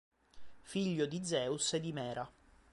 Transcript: Figlio di Zeus e di Mera.